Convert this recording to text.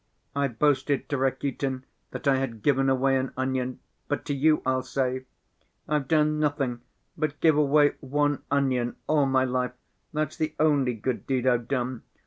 I boasted to Rakitin that I had given away an onion, but to you I'll say: 'I've done nothing but give away one onion all my life, that's the only good deed I've done.